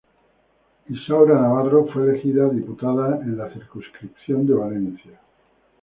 Isaura Navarro fue elegida diputada en la circunscripción de Valencia.